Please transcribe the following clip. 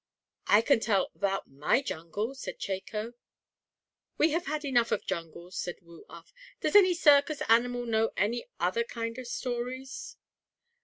"I can tell about my jungle," said Chako. "We have had enough of jungles," said Woo Uff. "Does any circus animal know any other kind of stories?"